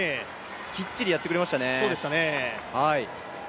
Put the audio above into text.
きっちりやってくれましたね。